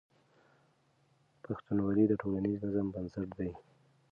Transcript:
پښتونولي د ټولنیز نظم بنسټ دی.